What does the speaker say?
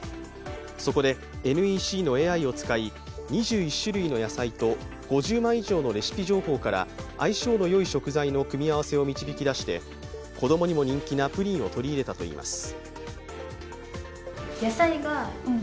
そこでＮＥＣのＡＩを使い、２１種類の野菜と５０万以上のレシピ情報から相性のよい食材の組み合わせを導き出して子供にも人気なプリンを取り入れたといいます。